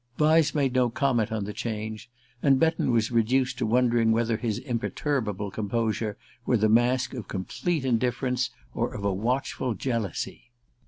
Vyse made no comment on the change, and Betton was reduced to wondering whether his imperturbable composure were the mask of complete indifference or of a watchful jealousy.